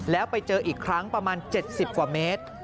แล้วไปเจออีกครั้งประมาณ๗๐กว่าเมตร